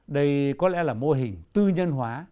đây có lẽ là mô hình tư nhân hóa